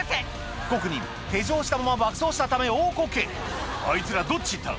被告人手錠をしたまま爆走したため大コケあいつらどっち行った？